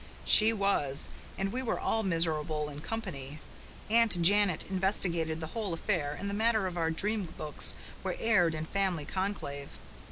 She was. And we were all miserable in company. Aunt Janet investigated the whole affair and the matter of our dream books was aired in family conclave.